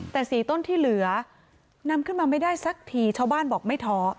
แต่๔ต้นที่เหลือนำขึ้นมาไม่ได้สักทีชาวบ้านบอกไม่ท้อ